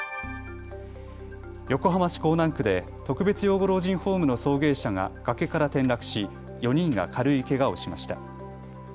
横浜市港南区で特別養護老人ホームの送迎車が崖から転落し４人が軽いけがをしました。